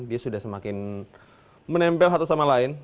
dia sudah semakin menempel satu sama lain